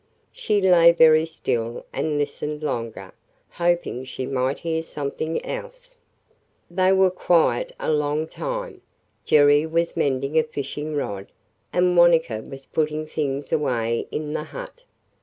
She lay very still and listened longer, hoping she might hear something else. They were quiet a long time. Jerry was mending a fishing rod and Wanetka was putting things away in the hut.